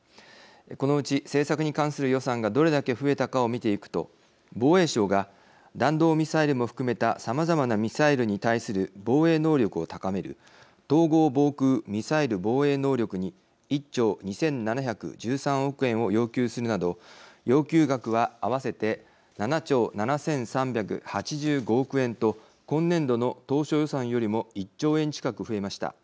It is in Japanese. このうち政策に関する予算がどれだけ増えたかを見ていくと防衛省が弾道ミサイルも含めたさまざまなミサイルに対する防衛能力を高める統合防空ミサイル防衛能力に１兆２７１３億円を要求するなど要求額は合わせて７兆７３８５億円と今年度の当初予算よりも１兆円近く増えました。